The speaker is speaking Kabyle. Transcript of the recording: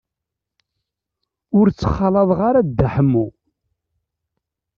Ur ttxalaḍeɣ ara Dda Ḥemmu.